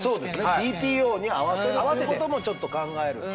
ＴＰＯに合わせるということもちょっと考えるとか。